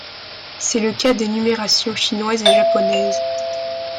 C'est le cas des numérations chinoise et japonaise.